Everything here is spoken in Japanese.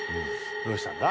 どうしたんだ？